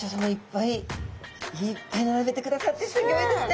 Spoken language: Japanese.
いっぱい並べてくださってすギョいですね。